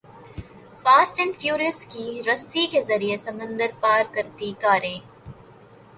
fast and Furious کی رسی کے ذریعے سمندر پار کرتیں کاریں